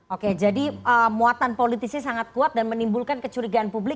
oke jadi muatan politisnya sangat kuat dan menimbulkan kecurigaan publik